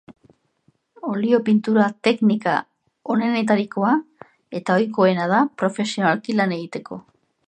Olio-pintura teknika onenetarikoa eta ohikoena da profesionalki lan egiteko.